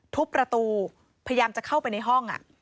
ทุบประตูพยายามจะเข้าไปในห้อง